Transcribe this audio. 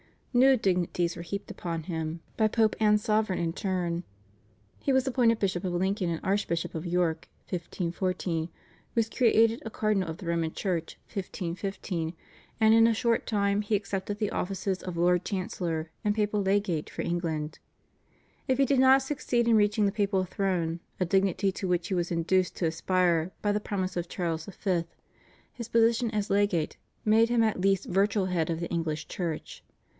New dignities were heaped upon him by Pope and sovereign in turn. He was appointed Bishop of Lincoln and Archbishop of York (1514), was created a cardinal of the Roman Church (1515), and in a short time he accepted the offices of Lord Chancellor and papal legate for England. If he did not succeed in reaching the papal throne, a dignity to which he was induced to aspire by the promise of Charles V., his position as legate made him at least virtual head of the English Church.